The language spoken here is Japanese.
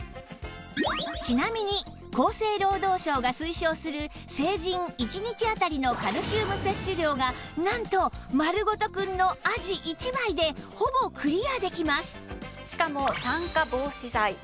ちなみに厚生労働省が推奨する成人１日あたりのカルシウム摂取量がなんとまるごとくんのあじ１枚でほぼクリアできます